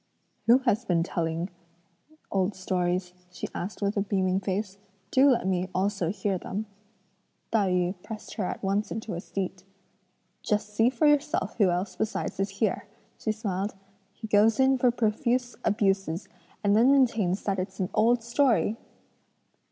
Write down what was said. "Who has been telling old stories?" she asked with a beaming face; "do let me also hear them." Tai yü pressed her at once into a seat. "Just see for yourself who else besides is here!" she smiled; "he goes in for profuse abuses and then maintains that it's an old story!"